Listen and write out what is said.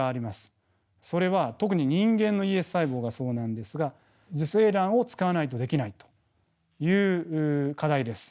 それは特に人間のＥＳ細胞がそうなんですが受精卵を使わないとできないという課題です。